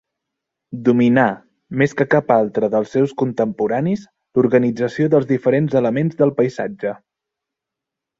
Dominà, més que cap altre dels seus contemporanis, l'organització dels diferents elements del paisatge.